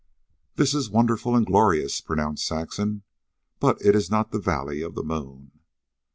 "This is wonderful and glorious," pronounced Saxon; "but it is not the valley of the moon."